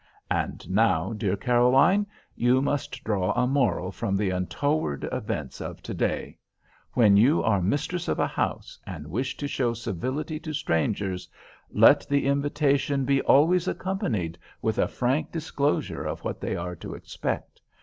And now, dear Caroline, you must draw a moral from the untoward events of to day. When you are mistress of a house, and wish to show civility to strangers, let the invitation be always accompanied with a frank disclosure of what they are to expect.